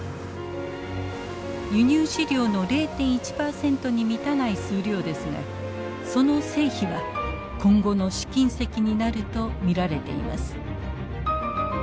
輸入飼料の０．１％に満たない数量ですがその成否は今後の試金石になると見られています。